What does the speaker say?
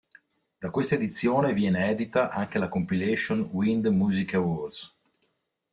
Da questa edizione viene edita anche la compilation "Wind Music Awards".